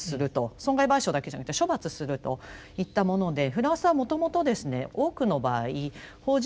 損害賠償だけじゃなくて処罰するといったものでフランスはもともとですね多くの場合法人が関与した犯罪についてはですね